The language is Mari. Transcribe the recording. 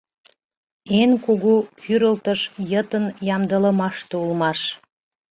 Эн кугу кӱрылтыш йытын ямдылымаште улмаш.